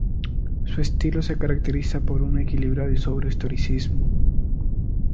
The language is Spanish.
Su estilo se caracteriza por un equilibrado y sobrio historicismo.